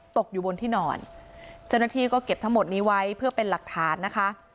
ตกอยู่บนที่นอนเจ้าหน้าที่ก็เก็บทั้งหมดนี้ไว้เพื่อเป็นหลักฐานนะคะ